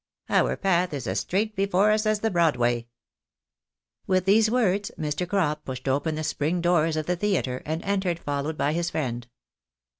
Our path is as straight before us as the Broadway." With these words Mr. Crop pushed open the spring doors of the theatre, and entered followed by his friend.